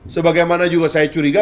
sebagaimana juga saya curiga